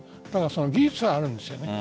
技術はあるんですよね。